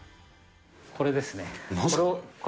これですね。